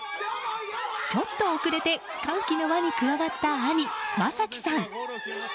ちょっと遅れて歓喜の輪に加わった兄・将輝さん。